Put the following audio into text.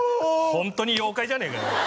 ホントに妖怪じゃねえかよ